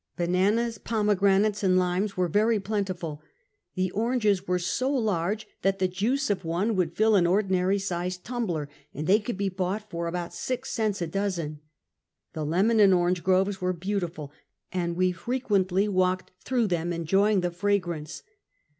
Bananas, pomegranates and limes were very plenti ful. The oranges were so large that the juice of one would fill an ordinary sized tumbler, and they could be bought for about six cents a dozen. The lemon and orange groves were beautiful, and we fre quently walked through them, enjoying the fragrance.